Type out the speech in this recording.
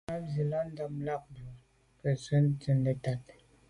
Bì sə̂’ lá’ ndɛ̂mbə̄bɑ̌k lá mə̀bró ŋgə́ tswə́ nə̀tá.